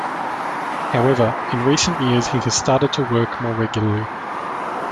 However, in recent years he has started to work more regularly.